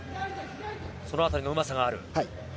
そのあたりのうまさがある。